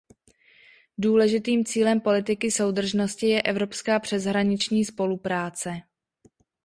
Důležitým cílem politiky soudržnosti je evropská přeshraniční spolupráce.